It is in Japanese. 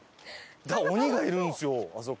鬼がいるんですよあそこ。